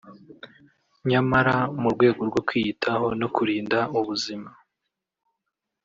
nyamara mu rwego rwo kwiyitaho no kurinda ubuzima